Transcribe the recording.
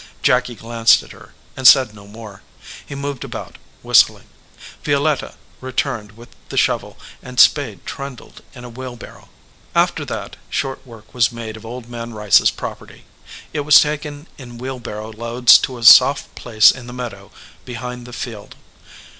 Jacky glanced at her, and said no more. He moved about, whistling. Violetta returned with the shovel and spade trundled in a wheelbarrow. After that short work was made of Old Man Rice s property. It was taken in wheelbarrow loads to a soft place in the meadow behind the field.